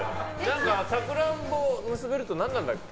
さくらんぼを結べると何なんだっけ？